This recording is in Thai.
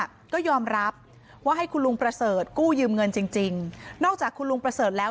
ก็ยอมรับว่าให้คุณลุงประเสริฐกู้ยืมเงินจริงจริงนอกจากคุณลุงประเสริฐแล้ว